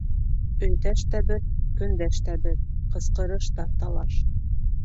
Өйҙәш тә бер, көндәш тә бер: ҡысҡырыш та талаш.